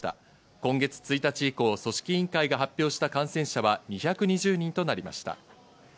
今月１日以降、組織委員会が発表した感染者は２２０人となりました。